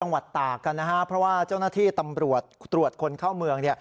จังหวัดตากกันนะฮะเพราะว่าเจ้าหน้าที่ตำรวจคนเข้านานเมือง